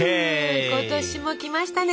今年も来ましたね。